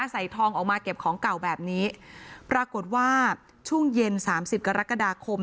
ใส่ทองออกมาเก็บของเก่าแบบนี้ปรากฏว่าช่วงเย็นสามสิบกรกฎาคม